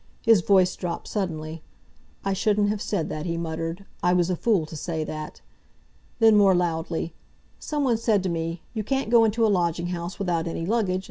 His voice dropped suddenly. "I shouldn't have said that," he muttered. "I was a fool to say that!" Then, more loudly, "Someone said to me, 'You can't go into a lodging house without any luggage.